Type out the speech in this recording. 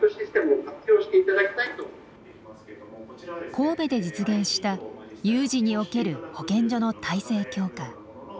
神戸で実現した有事における保健所の体制強化。